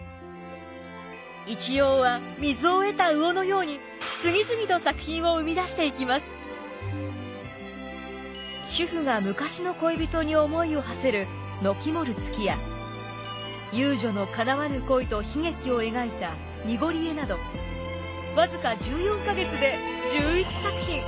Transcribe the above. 一葉は水を得た魚のように主婦が昔の恋人に思いをはせる「軒もる月」や遊女のかなわぬ恋と悲劇を描いた「にごりえ」など僅か１４か月で１１作品。